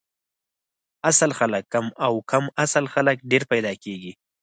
اصل خلک کم او کم اصل خلک ډېر پیدا کیږي